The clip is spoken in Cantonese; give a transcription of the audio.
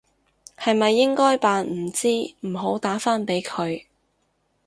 係咪應該扮唔知唔好打返俾佢？